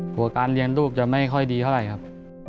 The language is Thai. หัวการเรียนรูปจะไม่ค่อยดีเท่าไรครับ